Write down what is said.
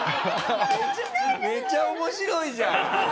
めっちゃ面白いじゃん！